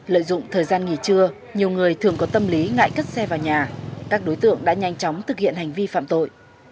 lợi dụng thời gian nghỉ trưa nhiều người thường có tâm lý ngại cất xe vào nhà các đối tượng đã nhanh chóng thực hiện hành vi phạm tội